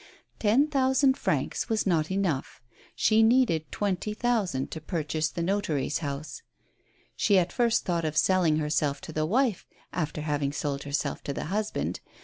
Ten thousand francs was not enough ; she needed twenty thousand to purchase the notary's house. She at first thought of selling herself to the wife, after having sold herself to the husband.